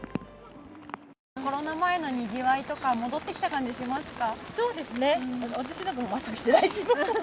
コロナ前のにぎわいとか戻ってきた感じしますか？